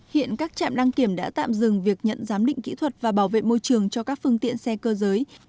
hiện các trạm đăng kiểm đã tạm dừng việc nhận giám định kỹ thuật và bảo vệ môi trường cho các phương tiện xe cơ giới